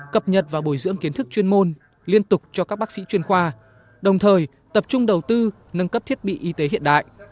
cập nhật và bồi dưỡng kiến thức chuyên môn liên tục cho các bác sĩ chuyên khoa đồng thời tập trung đầu tư nâng cấp thiết bị y tế hiện đại